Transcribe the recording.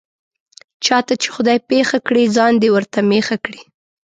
چاته یې چې خدای پېښه کړي، ځان دې ورته مېښه کړي.